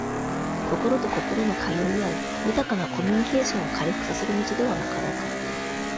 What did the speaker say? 心と心の通い合う、豊かなコミュニケーションを回復させる道ではなかろうか。